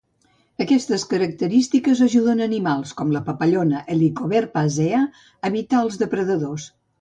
Aquestes característiques ajuden animals, com la papallona '"Helicoverpa zea", evitar els depredadors.